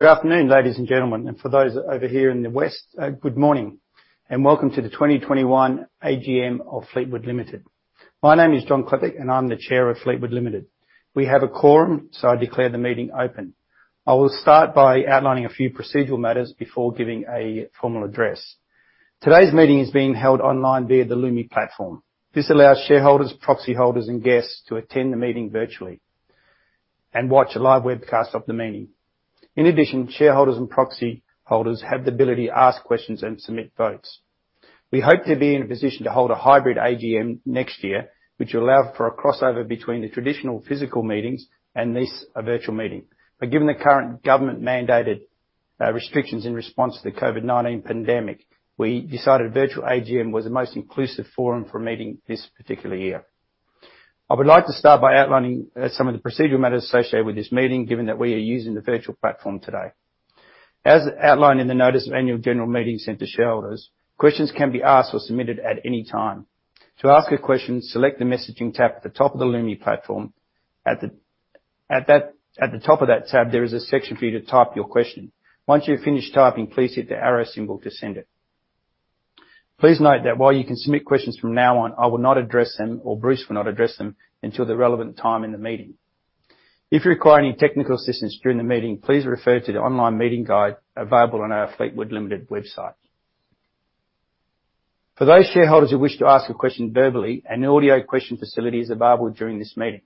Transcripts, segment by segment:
Good afternoon, ladies and gentlemen, and for those over here in the West, good morning, and welcome to the 2021 AGM of Fleetwood Limited. My name is John Klepec and I'm the Chair of Fleetwood Limited. We have a quorum, so I declare the meeting open. I will start by outlining a few procedural matters before giving a formal address. Today's meeting is being held online via the Lumi platform. This allows shareholders, proxy holders and guests to attend the meeting virtually and watch a live webcast of the meeting. In addition, shareholders and proxy holders have the ability to ask questions and submit votes. We hope to be in a position to hold a hybrid AGM next year, which will allow for a crossover between the traditional physical meetings and this virtual meeting. Given the current government-mandated restrictions in response to the COVID-19 pandemic, we decided virtual AGM was the most inclusive forum for a meeting this particular year. I would like to start by outlining some of the procedural matters associated with this meeting, given that we are using the virtual platform today. As outlined in the notice of annual general meeting sent to shareholders, questions can be asked or submitted at any time. To ask a question, select the messaging tab at the top of the Lumi platform. At the top of that tab, there is a section for you to type your question. Once you have finished typing, please hit the arrow symbol to send it. Please note that while you can submit questions from now on, I will not address them or Bruce will not address them until the relevant time in the meeting. If you require any technical assistance during the meeting, please refer to the online meeting guide available on our Fleetwood Limited website. For those shareholders who wish to ask a question verbally, an audio question facility is available during this meeting.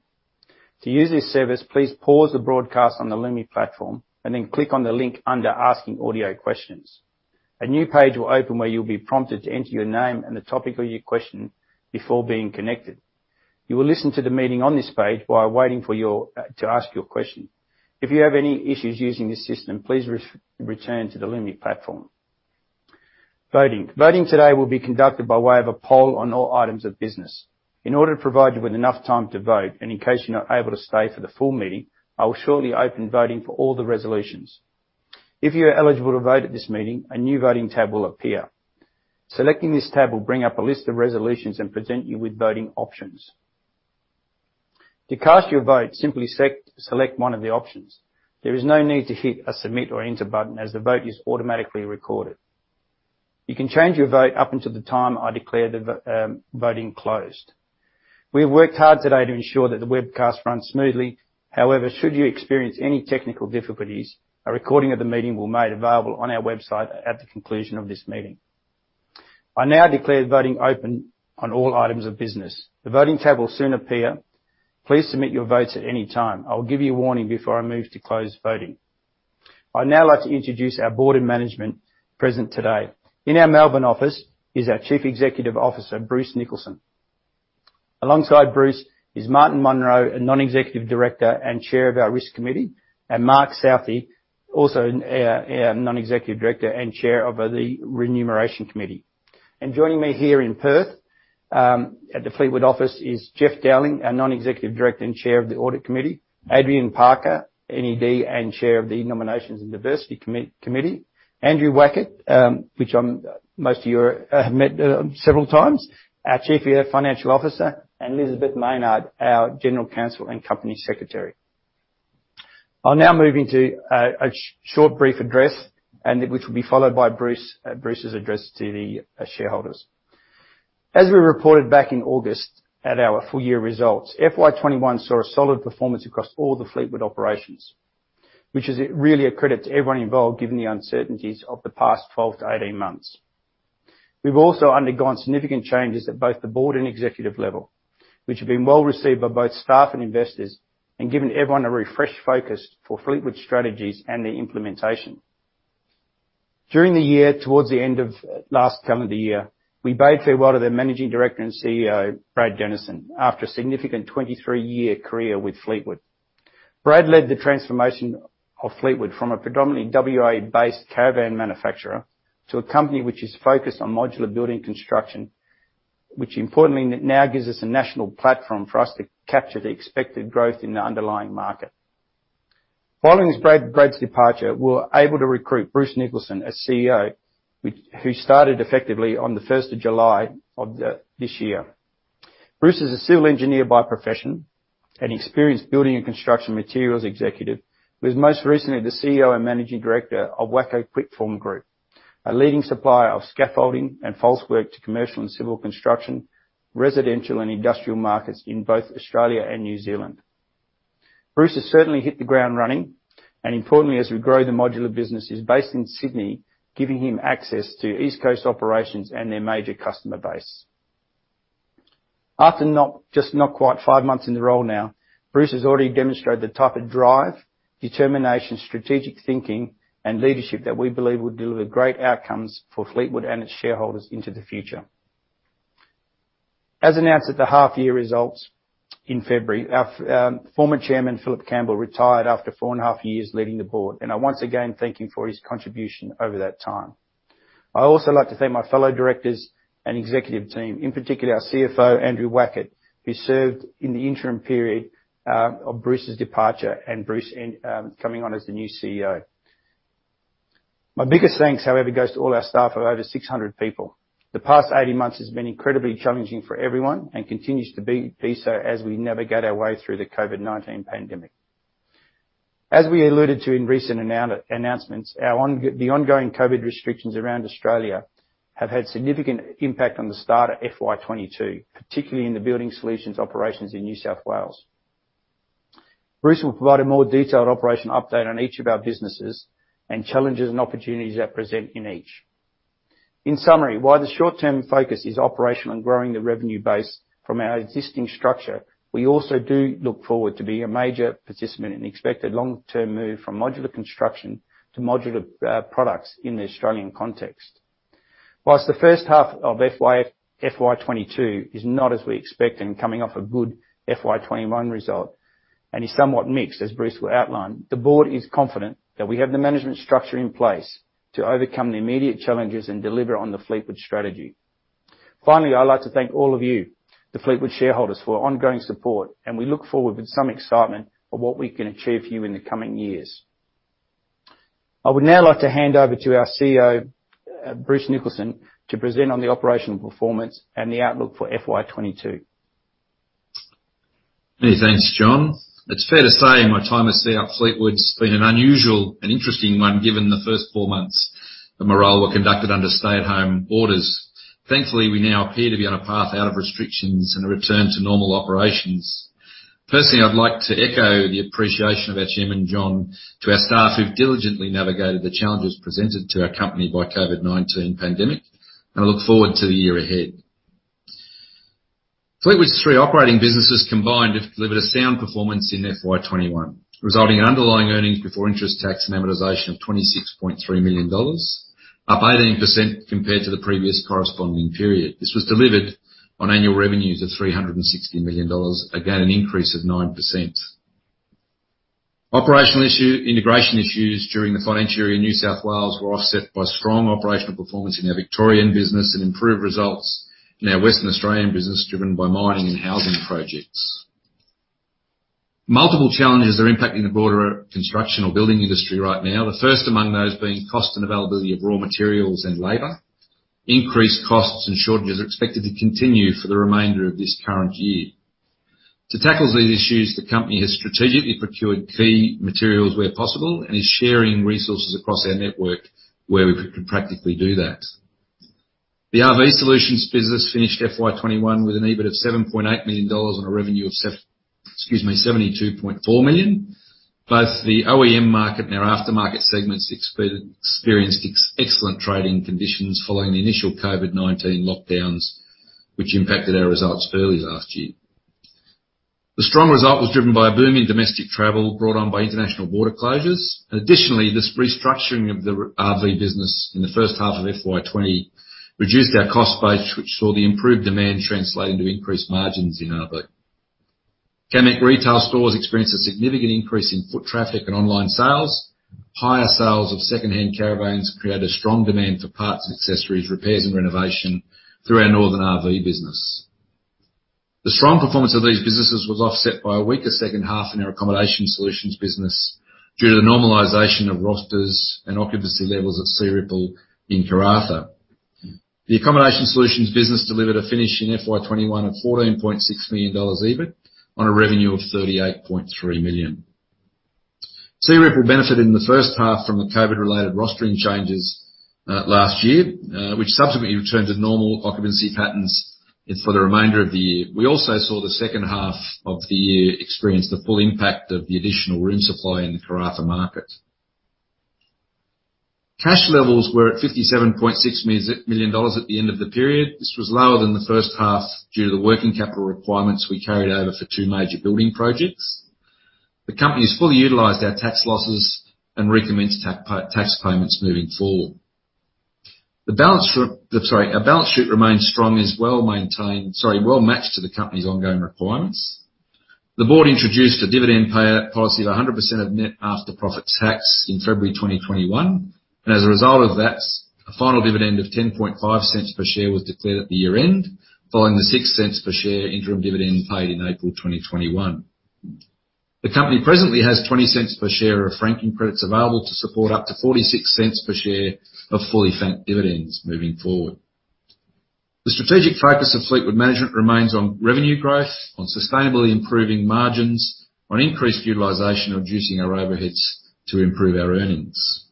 To use this service, please pause the broadcast on the Lumi platform and then click on the link under Asking Audio Questions. A new page will open where you'll be prompted to enter your name and the topic of your question before being connected. You will listen to the meeting on this page while waiting for your, to ask your question. If you have any issues using this system, please return to the Lumi platform. Voting. Voting today will be conducted by way of a poll on all items of business. In order to provide you with enough time to vote, and in case you're not able to stay for the full meeting, I will shortly open voting for all the resolutions. If you are eligible to vote at this meeting, a new voting tab will appear. Selecting this tab will bring up a list of resolutions and present you with voting options. To cast your vote, simply select one of the options. There is no need to hit a Submit or Enter button as the vote is automatically recorded. You can change your vote up until the time I declare voting closed. We've worked hard today to ensure that the webcast runs smoothly. However, should you experience any technical difficulties, a recording of the meeting will be made available on our website at the conclusion of this meeting. I now declare the voting open on all items of business. The voting tab will soon appear. Please submit your votes at any time. I will give you a warning before I move to close voting. I'd now like to introduce our board and management present today. In our Melbourne office is our Chief Executive Officer, Bruce Nicholson. Alongside Bruce is Martin Monro, a Non-Executive Director and Chair of our Risk Committee, and Mark Southey, also our Non-Executive Director and Chair of the Remuneration Committee. Joining me here in Perth at the Fleetwood office is Jeff Dowling, a Non-Executive Director and Chair of the Audit Committee. Adrienne Parker, NED and Chair of the Nominations and Diversity Committee. Andrew Wackett, which most of you have met several times. Our Chief Financial Officer, and Elizabeth Maynard, our General Counsel and Company Secretary. I'll now move into a short brief address, which will be followed by Bruce's address to the shareholders. As we reported back in August at our full year results, FY 2021 saw a solid performance across all the Fleetwood operations, which is really a credit to everyone involved given the uncertainties of the past 12-18 months. We've also undergone significant changes at both the board and executive level, which have been well-received by both staff and investors, and given everyone a refreshed focus for Fleetwood's strategies and their implementation. During the year towards the end of last calendar year, we bade farewell to the Managing Director and CEO, Brad Denison, after a significant 23-year career with Fleetwood. Brad led the transformation of Fleetwood from a predominantly WA-based caravan manufacturer to a company which is focused on modular building construction, which importantly now gives us a national platform for us to capture the expected growth in the underlying market. Following Brad's departure, we were able to recruit Bruce Nicholson as CEO, who started effectively on the first of July of this year. Bruce is a civil engineer by profession, an experienced building and construction materials executive. He was most recently the CEO and Managing Director of Acrow Formwork and Construction Services Limited, a leading supplier of scaffolding and falsework to commercial and civil construction, residential and industrial markets in both Australia and New Zealand. Bruce has certainly hit the ground running, and importantly, as we grow, the modular business is based in Sydney, giving him access to East Coast operations and their major customer base. After just not quite five months in the role now, Bruce has already demonstrated the type of drive, determination, strategic thinking and leadership that we believe will deliver great outcomes for Fleetwood and its shareholders into the future. As announced at the half-year results in February, our former Chairman, Philip Campbell, retired after four and a half years leading the board, and I once again thank him for his contribution over that time. I'd also like to thank my fellow directors and executive team, in particular our CFO, Andrew Wackett, who served in the interim period of Bruce's departure and Bruce coming on as the new CEO. My biggest thanks, however, goes to all our staff of over 600 people. The past 18 months has been incredibly challenging for everyone and continues to be so as we navigate our way through the COVID-19 pandemic. As we alluded to in recent announcements, the ongoing COVID restrictions around Australia have had significant impact on the start of FY 2022, particularly in the Building Solutions operations in New South Wales. Bruce will provide a more detailed operation update on each of our businesses and challenges and opportunities that present in each. In summary, while the short-term focus is operational and growing the revenue base from our existing structure, we also do look forward to being a major participant in the expected long-term move from modular construction to modular products in the Australian context. While the first half of FY 2022 is not as we expected and coming off a good FY 2021 result, and is somewhat mixed, as Bruce will outline, the board is confident that we have the management structure in place to overcome the immediate challenges and deliver on the Fleetwood strategy. Finally, I'd like to thank all of you, the Fleetwood shareholders, for your ongoing support, and we look forward with some excitement of what we can achieve for you in the coming years. I would now like to hand over to our CEO, Bruce Nicholson, to present on the operational performance and the outlook for FY 2022. Many thanks, John. It's fair to say in my time as CEO of Fleetwood's been an unusual and interesting one, given the first four months of my role were conducted under stay-at-home orders. Thankfully, we now appear to be on a path out of restrictions and a return to normal operations. Firstly, I'd like to echo the appreciation of our Chairman, John, to our staff who've diligently navigated the challenges presented to our company by COVID-19 pandemic, and I look forward to the year ahead. Fleetwood's three operating businesses combined have delivered a sound performance in FY 2021, resulting in underlying EBITDA of 26.3 million dollars, up 18% compared to the previous corresponding period. This was delivered on annual revenues of 360 million dollars, again an increase of 9%. Operational integration issues during the financial year in New South Wales were offset by strong operational performance in our Victorian business and improved results in our Western Australian business, driven by mining and housing projects. Multiple challenges are impacting the broader construction or building industry right now, the first among those being cost and availability of raw materials and labor. Increased costs and shortages are expected to continue for the remainder of this current year. To tackle these issues, the company has strategically procured key materials where possible and is sharing resources across our network where we can practically do that. The RV Solutions business finished FY 2021 with an EBIT of 7.8 million dollars on a revenue of excuse me, 72.4 million. Both the OEM market and our aftermarket segments experienced excellent trading conditions following the initial COVID-19 lockdowns, which impacted our results early last year. The strong result was driven by a boom in domestic travel brought on by international border closures. Additionally, this restructuring of the RV business in the first half of FY 2020 reduced our cost base, which saw the improved demand translating to increased margins in RV. Camec retail stores experienced a significant increase in foot traffic and online sales. Higher sales of secondhand caravans created a strong demand for parts and accessories, repairs and renovation through our Northern RV business. The strong performance of these businesses was offset by a weaker second half in our Accommodation Solutions business due to the normalization of rosters and occupancy levels at Searipple in Karratha. The Accommodation Solutions business delivered a finish in FY 2021 of 14.6 million dollars EBIT on a revenue of 38.3 million. Searipple benefited in the first half from the COVID-related rostering changes last year, which subsequently returned to normal occupancy patterns for the remainder of the year. We also saw the second half of the year experience the full impact of the additional room supply in the Karratha market. Cash levels were at 57.6 million dollars at the end of the period. This was lower than the first half due to the working capital requirements we carried over for two major building projects. The company has fully utilized our tax losses and recommenced tax payments moving forward. Our balance sheet remains strong and is well-matched to the company's ongoing requirements. The board introduced a dividend payout policy of 100% of net after-tax profit in February 2021, and as a result of that, a final dividend of 0.105 per share was declared at the year-end, following the 0.06 per share interim dividend paid in April 2021. The company presently has 0.20 per share of franking credits available to support up to 0.46 per share of fully franked dividends moving forward. The strategic focus of Fleetwood management remains on revenue growth, on sustainably improving margins, on increased utilization, reducing our overheads to improve our earnings.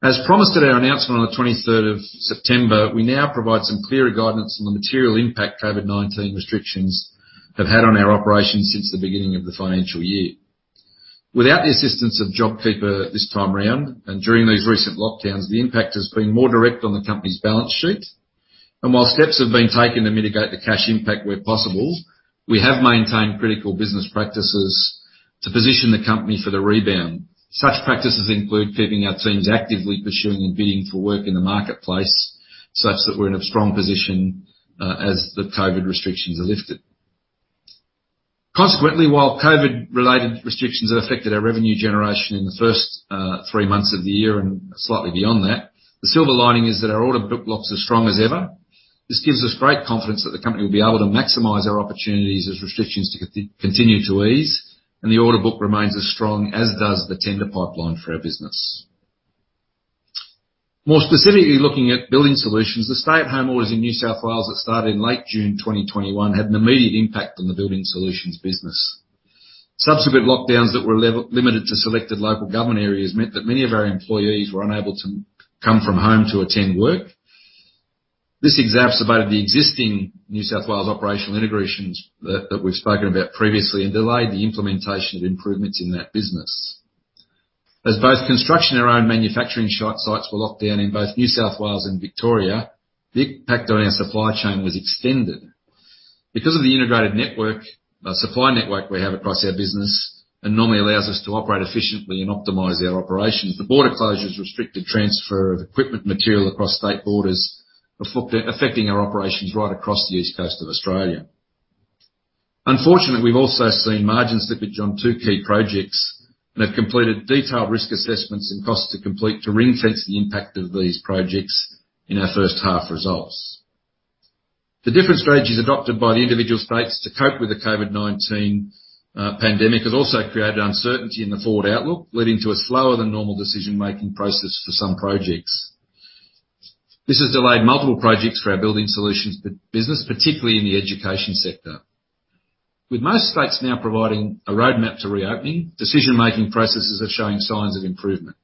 As promised at our announcement on the 23rd of September, we now provide some clearer guidance on the material impact COVID-19 restrictions have had on our operations since the beginning of the financial year. Without the assistance of JobKeeper this time around, and during these recent lockdowns, the impact has been more direct on the company's balance sheet. While steps have been taken to mitigate the cash impact where possible, we have maintained critical business practices to position the company for the rebound. Such practices include keeping our teams actively pursuing and bidding for work in the marketplace, such that we're in a strong position as the COVID restrictions are lifted. Consequently, while COVID-related restrictions have affected our revenue generation in the first three months of the year and slightly beyond that. The silver lining is that our order book is as strong as ever. This gives us great confidence that the company will be able to maximize our opportunities as restrictions continue to ease, and the order book remains as strong as does the tender pipeline for our business. More specifically, looking at Building Solutions, the stay-at-home orders in New South Wales that started in late June 2021 had an immediate impact on the Building Solutions business. Subsequent lockdowns that were level-limited to selected local government areas meant that many of our employees were unable to leave home to attend work. This exacerbated the existing New South Wales operational integrations that we've spoken about previously and delayed the implementation of improvements in that business. As both construction and our own manufacturing job sites were locked down in both New South Wales and Victoria, the impact on our supply chain was extended. Because of the integrated network, supply network we have across our business and normally allows us to operate efficiently and optimize our operations, the border closures restricted transfer of equipment material across state borders affecting our operations right across the east coast of Australia. Unfortunately, we've also seen margin slippage on two key projects and have completed detailed risk assessments and costs to complete to ring-fence the impact of these projects in our first half results. The different strategies adopted by the individual states to cope with the COVID-19 pandemic have also created uncertainty in the forward outlook, leading to a slower than normal decision-making process for some projects. This has delayed multiple projects for our Building Solutions business, particularly in the education sector. With most states now providing a roadmap to reopening, decision-making processes are showing signs of improvement.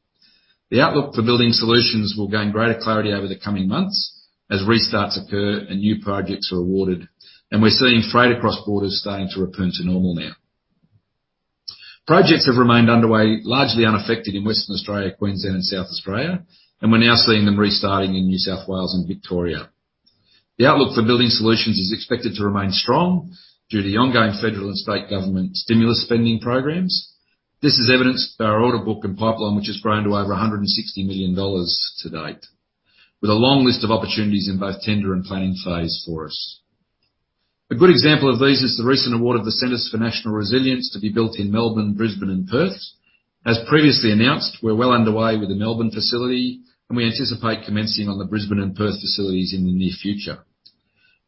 The outlook for Building Solutions will gain greater clarity over the coming months as restarts occur and new projects are awarded, and we're seeing freight across borders starting to return to normal now. Projects have remained underway, largely unaffected in Western Australia, Queensland and South Australia, and we're now seeing them restarting in New South Wales and Victoria. The outlook for Building Solutions is expected to remain strong due to the ongoing federal and state government stimulus spending programs. This is evidenced by our order book and pipeline, which has grown to over 160 million dollars to date, with a long list of opportunities in both tender and planning phase for us. A good example of these is the recent award of the Centres for National Resilience to be built in Melbourne, Brisbane and Perth. As previously announced, we're well underway with the Melbourne facility and we anticipate commencing on the Brisbane and Perth facilities in the near future.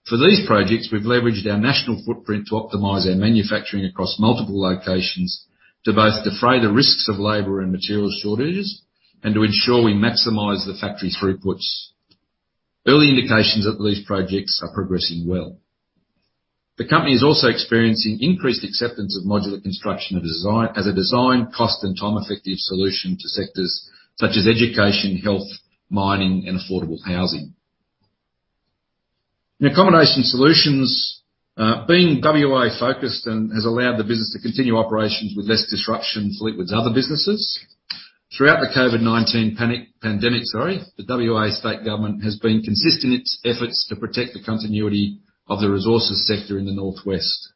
For these projects, we've leveraged our national footprint to optimize our manufacturing across multiple locations to both defray the risks of labor and material shortages and to ensure we maximize the factory's throughputs. Early indications of these projects are progressing well. The company is also experiencing increased acceptance of modular construction as a design, cost and time-effective solution to sectors such as education, health, mining and affordable housing. In Accommodation Solutions, being WA-focused has allowed the business to continue operations with less disruption to Fleetwood's other businesses. Throughout the COVID-19 pandemic, the WA State government has been consistent in its efforts to protect the continuity of the resources sector in the northwest.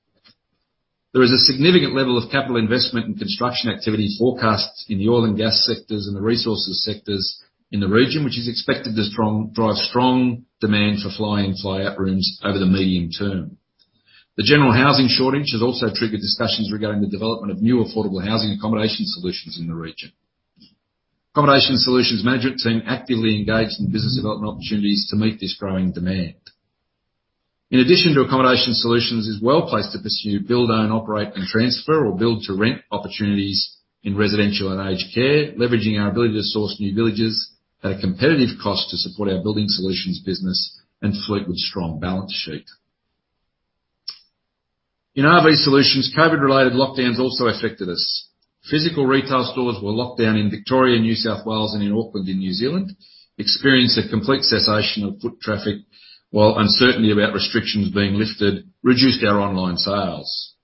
There is a significant level of capital investment and construction activity forecast in the oil and gas sectors and the resources sectors in the region, which is expected to drive strong demand for fly-in fly-out rooms over the medium term. The general housing shortage has also triggered discussions regarding the development of new affordable housing accommodation solutions in the region. Accommodation Solutions' management team actively engaged in business development opportunities to meet this growing demand. In addition to Accommodation Solutions, Fleetwood is well-placed to pursue, build, own, operate and transfer or build-to-rent opportunities in residential and aged care, leveraging our ability to source new villages at a competitive cost to support our Building Solutions business and Fleetwood's strong balance sheet. In RV Solutions, COVID-related lockdowns also affected us. Physical retail stores were locked down in Victoria and New South Wales and in Auckland in New Zealand experienced a complete cessation of foot traffic, while uncertainty about restrictions being lifted reduced our online sales.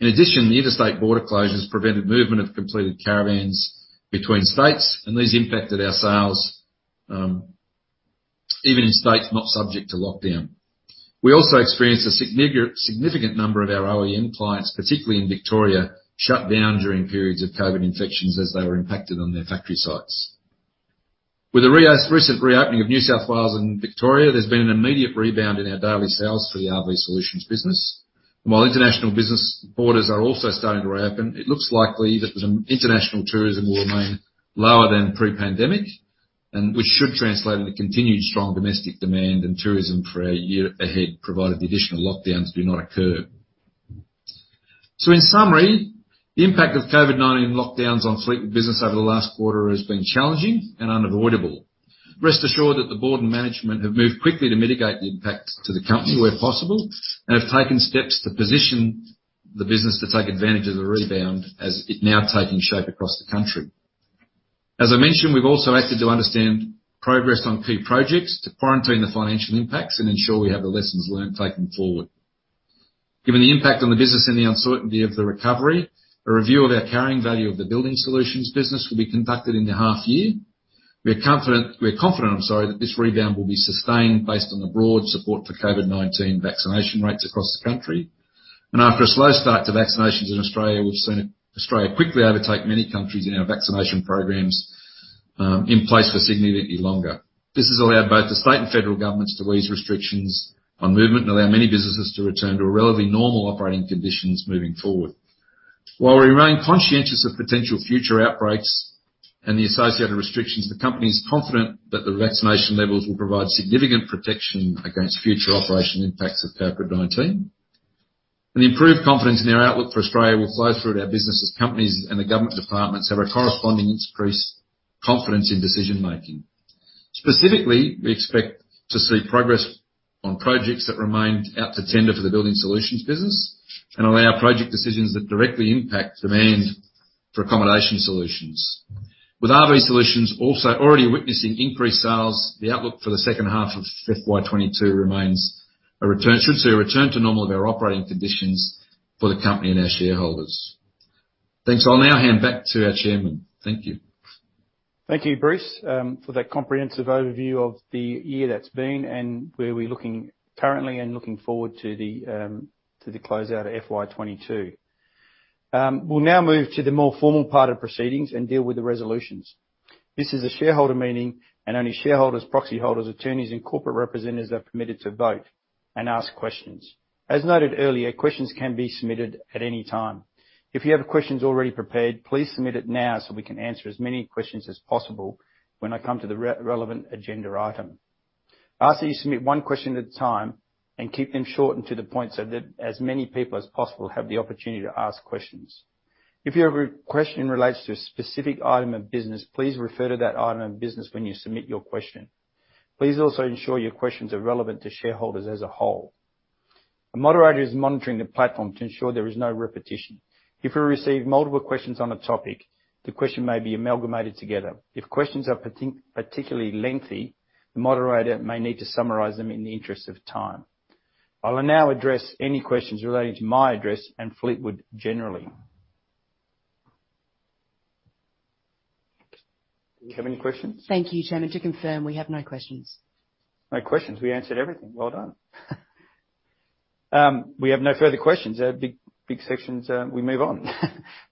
In addition, the interstate border closures prevented movement of completed caravans between states, and these impacted our sales, even in states not subject to lockdown. We also experienced a significant number of our OEM clients, particularly in Victoria, shut down during periods of COVID infections as they were impacted on their factory sites. With the recent reopening of New South Wales and Victoria, there's been an immediate rebound in our daily sales for the RV Solutions business. While international business borders are also starting to reopen, it looks likely that some international tourism will remain lower than pre-pandemic and which should translate into continued strong domestic demand and tourism for our year ahead, provided the additional lockdowns do not occur. In summary, the impact of COVID-19 lockdowns on Fleetwood business over the last quarter has been challenging and unavoidable. Rest assured that the board and management have moved quickly to mitigate the impact to the company where possible and have taken steps to position the business to take advantage of the rebound as it is now taking shape across the country. As I mentioned, we've also acted to understand progress on key projects to quarantine the financial impacts and ensure we have the lessons learned taken forward. Given the impact on the business and the uncertainty of the recovery, a review of our carrying value of the Building Solutions business will be conducted in the half year. We are confident that this rebound will be sustained based on the broad support for COVID-19 vaccination rates across the country. After a slow start to vaccinations in Australia, we've seen Australia quickly overtake many countries in our vaccination programs in place for significantly longer. This has allowed both the state and federal governments to ease restrictions on movement and allow many businesses to return to a relatively normal operating conditions moving forward. While we remain conscious of potential future outbreaks and the associated restrictions, the company is confident that the vaccination levels will provide significant protection against future operational impacts of COVID-19. The improved confidence in our outlook for Australia will flow through to our business as companies and the government departments have a corresponding increased confidence in decision-making. Specifically, we expect to see progress on projects that remained out to tender for the Building Solutions business and allow project decisions that directly impact demand for Accommodation Solutions. With RV Solutions also already witnessing increased sales, the outlook for the second half of FY 2022 should see a return to normal of our operating conditions for the company and our shareholders. Thanks. I'll now hand back to our Chairman. Thank you. Thank you, Bruce, for that comprehensive overview of the year that's been and where we're looking currently and looking forward to the closeout of FY 2022. We'll now move to the more formal part of proceedings and deal with the resolutions. This is a shareholder meeting, and only shareholders, proxy holders, attorneys, and corporate representatives are permitted to vote and ask questions. As noted earlier, questions can be submitted at any time. If you have questions already prepared, please submit it now so we can answer as many questions as possible when I come to the relevant agenda item. I ask that you submit one question at a time and keep them short and to the point so that as many people as possible have the opportunity to ask questions. If your question relates to a specific item of business, please refer to that item of business when you submit your question. Please also ensure your questions are relevant to shareholders as a whole. A moderator is monitoring the platform to ensure there is no repetition. If we receive multiple questions on a topic, the question may be amalgamated together. If questions are particularly lengthy, the moderator may need to summarize them in the interest of time. I will now address any questions relating to my address and Fleetwood generally. Do you have any questions? Thank you, Chairman. To confirm, we have no questions. No questions. We answered everything. Well done. We have no further questions. Big sections, we move on.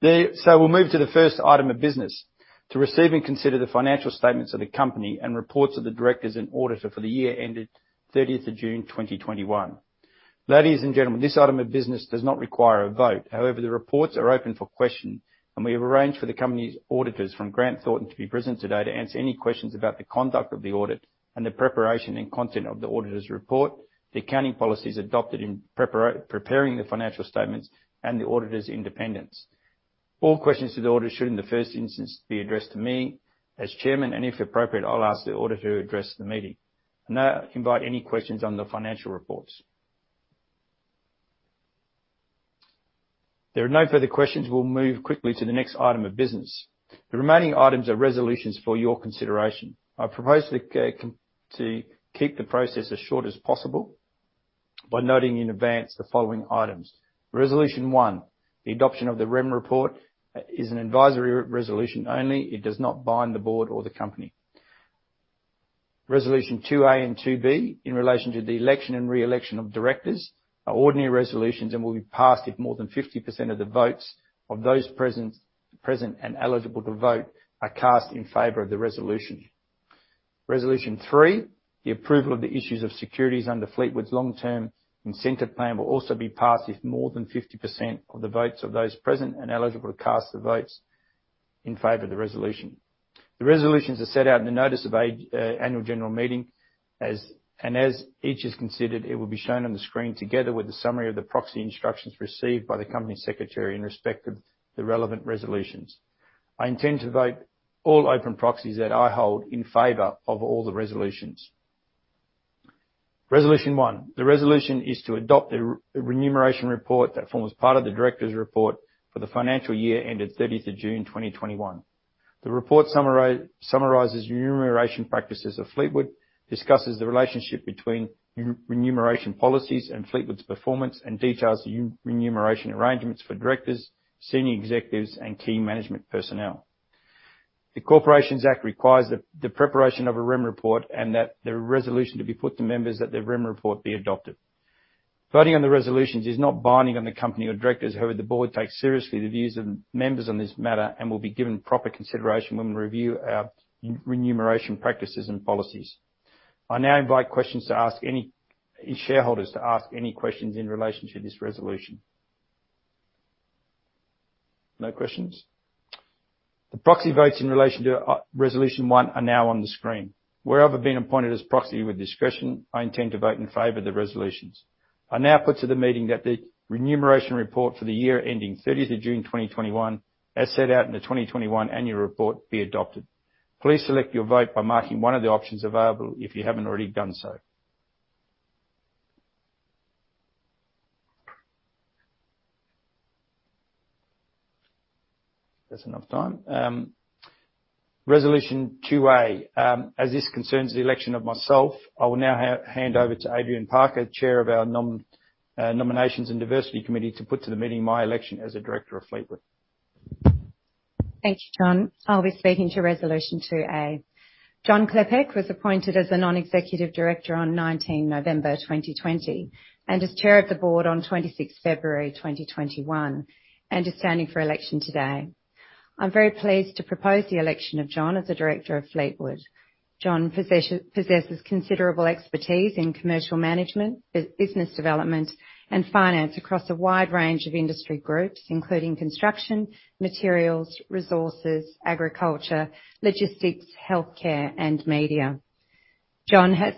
We'll move to the first item of business, to receive and consider the financial statements of the company and reports of the directors and auditor for the year ended 30th of June 2021. Ladies and gentlemen, this item of business does not require a vote. However, the reports are open for question, and we have arranged for the company's auditors from Grant Thornton to be present today to answer any questions about the conduct of the audit and the preparation and content of the auditor's report, the accounting policies adopted in preparing the financial statements, and the auditor's independence. All questions to the auditor should, in the first instance, be addressed to me as chairman, and if appropriate, I'll ask the auditor to address the meeting. I now invite any questions on the financial reports. If there are no further questions, we'll move quickly to the next item of business. The remaining items are resolutions for your consideration. I propose to keep the process as short as possible by noting in advance the following items. Resolution one, the adoption of the Remuneration Report, is an advisory resolution only. It does not bind the board or the company. Resolution two A and two B in relation to the election and re-election of directors are ordinary resolutions and will be passed if more than 50% of the votes of those present and eligible to vote are cast in favor of the resolution. Resolution three, the approval of the issues of securities under Fleetwood's Long-Term Incentive Plan will also be passed if more than 50% of the votes of those present and eligible to cast their votes in favor of the resolution. The resolutions are set out in the notice of annual general meeting. As each is considered, it will be shown on the screen together with a summary of the proxy instructions received by the company secretary in respect of the relevant resolutions. I intend to vote all open proxies that I hold in favor of all the resolutions. Resolution one, the resolution is to adopt the remuneration report that forms part of the directors' report for the financial year ended 30th of June 2021. The report summarizes remuneration practices of Fleetwood, discusses the relationship between remuneration policies and Fleetwood's performance, and details the remuneration arrangements for directors, senior executives, and key management personnel. The Corporations Act requires the preparation of a remuneration report and that the resolution to be put to members that the remuneration report be adopted. Voting on the resolutions is not binding on the company or directors. However, the board takes seriously the views of members on this matter and will be given proper consideration when we review our remuneration practices and policies. I now invite shareholders to ask any questions in relation to this resolution. No questions? The proxy votes in relation to resolution 1 are now on the screen. Where I've been appointed as proxy with discretion, I intend to vote in favor of the resolutions. I now put to the meeting that the Remuneration Report for the year ending 30th of June 2021, as set out in the 2021 annual report, be adopted. Please select your vote by marking one of the options available if you haven't already done so. That's enough time. Resolution 2A, as this concerns the election of myself, I will now hand over to Adrienne Parker, Chair of our Nominations and Diversity Committee, to put to the meeting my election as a director of Fleetwood. Thank you, John. I'll be speaking to resolution 2A. John Klepec was appointed as a non-executive director on 19 November 2020, and as chair of the board on 26 February 2021, and is standing for election today. I'm very pleased to propose the election of John as a director of Fleetwood. John possesses considerable expertise in commercial management, business development, and finance across a wide range of industry groups, including construction, materials, resources, agriculture, logistics, healthcare, and media. John has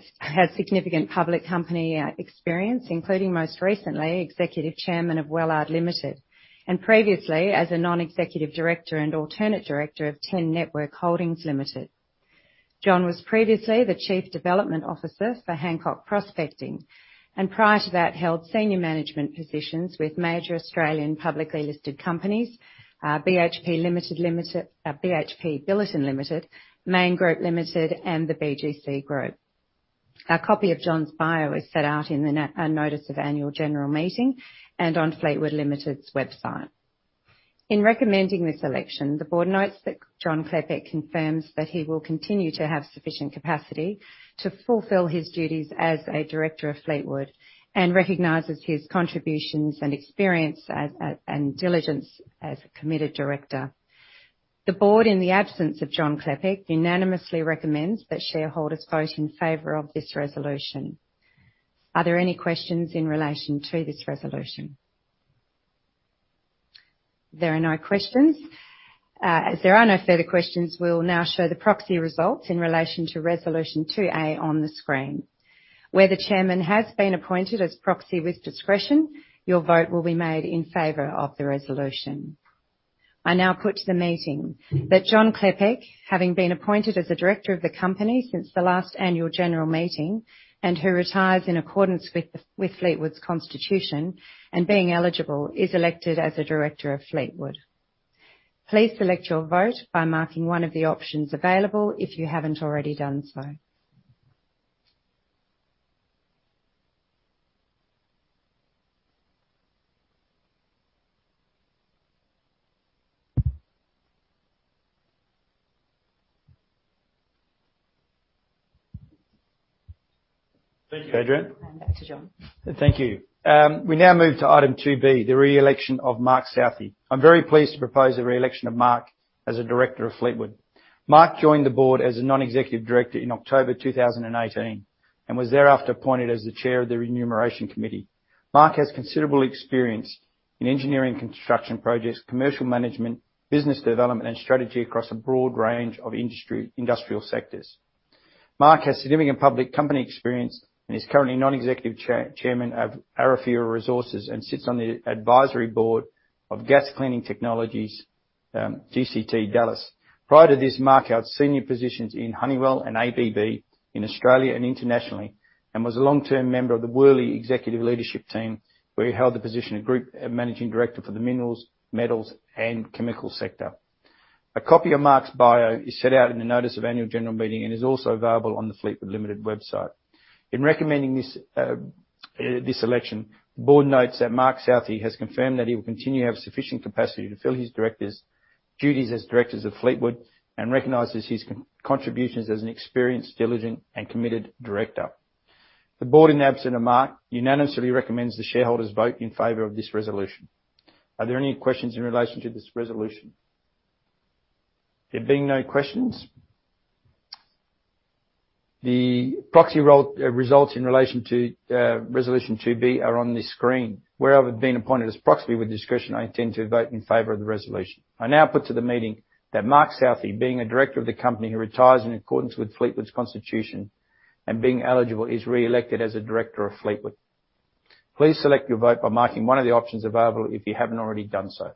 significant public company experience, including most recently Executive Chairman of Wellard Limited, and previously as a non-executive director and alternate director of Ten Network Holdings Limited. John was previously the Chief Development Officer for Hancock Prospecting, and prior to that, held senior management positions with major Australian publicly listed companies, BHP Limited, BHP Billiton Limited, Mayne Group Limited, and the BGC Group. A copy of John's bio is set out in the Notice of Annual General Meeting and on Fleetwood Limited's website. In recommending this election, the board notes that John Klepec confirms that he will continue to have sufficient capacity to fulfill his duties as a director of Fleetwood, and recognizes his contributions and experience and diligence as a committed director. The board, in the absence of John Klepec, unanimously recommends that shareholders vote in favor of this resolution. Are there any questions in relation to this resolution? There are no questions. As there are no further questions, we'll now show the proxy results in relation to resolution 2A on the screen. Where the chairman has been appointed as proxy with discretion, your vote will be made in favor of the resolution. I now put to the meeting that John Klepec, having been appointed as a director of the company since the last annual general meeting, and who retires in accordance with Fleetwood's Constitution, and being eligible, is elected as a director of Fleetwood. Please select your vote by marking one of the options available, if you haven't already done so. Thank you, Adrienne. Hand back to John. Thank you. We now move to item two B, the re-election of Mark Southey. I'm very pleased to propose the re-election of Mark as a director of Fleetwood. Mark joined the board as a non-executive director in October 2018, and was thereafter appointed as the chair of the Remuneration Committee. Mark has considerable experience in engineering construction projects, commercial management, business development, and strategy across a broad range of industrial sectors. Mark has significant public company experience and is currently non-executive Chairman of Arafura Resources, and sits on the advisory board of Gas Cleaning Technologies, GCT Dallas. Prior to this, Mark held senior positions in Honeywell and ABB in Australia and internationally, and was a long-term member of the Worley Executive Leadership Team, where he held the position of Group Managing Director for the minerals, metals, and chemical sector. A copy of Mark's bio is set out in the notice of annual general meeting and is also available on the Fleetwood Limited website. In recommending this election, board notes that Mark Southey has confirmed that he will continue to have sufficient capacity to fill his director's duties as directors of Fleetwood, and recognizes his contributions as an experienced, diligent, and committed director. The board, in the absence of Mark, unanimously recommends the shareholders vote in favor of this resolution. Are there any questions in relation to this resolution? There being no questions, the proxy results in relation to resolution 2B are on this screen. Where I've been appointed as proxy with discretion, I intend to vote in favor of the resolution. I now put to the meeting that Mark Southey, being a director of the company who retires in accordance with Fleetwood's Constitution, and being eligible, is re-elected as a director of Fleetwood. Please select your vote by marking one of the options available, if you haven't already done so.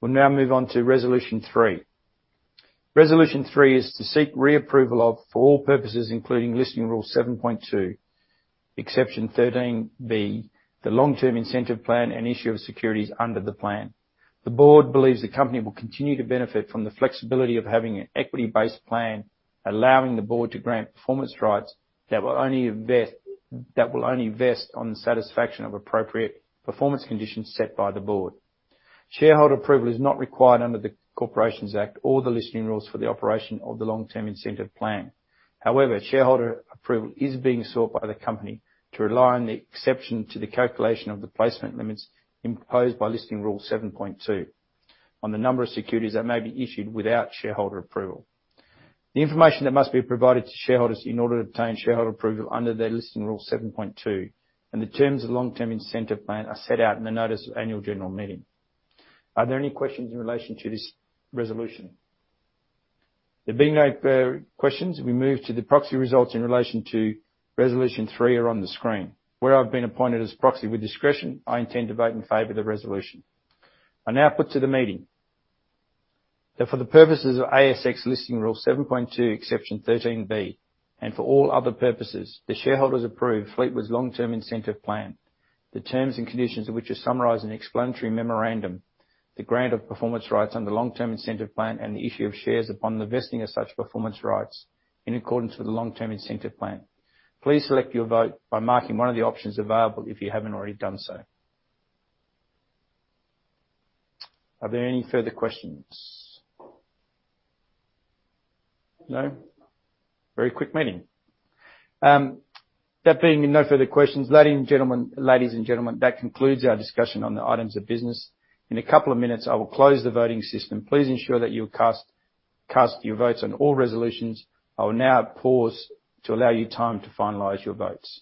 We'll now move on to resolution 3. Resolution 3 is to seek reapproval of, for all purposes, including Listing Rule 7.2, Exception 13(b), the Long-Term Incentive Plan, and issue of securities under the plan. The board believes the company will continue to benefit from the flexibility of having an equity-based plan, allowing the board to grant performance rights that will only vest on the satisfaction of appropriate performance conditions set by the board. Shareholder approval is not required under the Corporations Act or the Listing Rules for the operation of the Long-Term Incentive Plan. However, shareholder approval is being sought by the company to rely on the exception to the calculation of the placement limits imposed by Listing Rule 7.2 on the number of securities that may be issued without shareholder approval. The information that must be provided to shareholders in order to obtain shareholder approval under Listing Rule 7.2, and the terms of Long-Term Incentive Plan are set out in the notice of annual general meeting. Are there any questions in relation to this resolution? There being no questions, we move to the proxy results in relation to resolution 3 are on the screen. Where I've been appointed as proxy with discretion, I intend to vote in favor of the resolution. I now put to the meeting that for the purposes of ASX Listing Rule 7.2, Exception 13(b), and for all other purposes, the shareholders approve Fleetwood's Long-Term Incentive Plan, the terms and conditions of which are summarized in the explanatory memorandum, the grant of performance rights under the Long-Term Incentive Plan, and the issue of shares upon the vesting of such performance rights in accordance with the Long-Term Incentive Plan. Please select your vote by marking one of the options available, if you haven't already done so. Are there any further questions? No. Very quick meeting. That being no further questions, ladies and gentlemen, that concludes our discussion on the items of business. In a couple of minutes, I will close the voting system. Please ensure that you cast your votes on all resolutions. I will now pause to allow you time to finalize your votes.